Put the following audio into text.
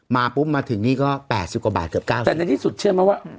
มาปุ๊บมาถึงนี่ก็แปดสิบกว่าบาทเกือบเก้าบาทแต่ในที่สุดเชื่อไหมว่า